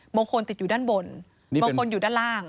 บางคนติดอยู่ด้านบนบางคนอยู่ด้านล่าง